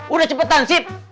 udah cepetan sip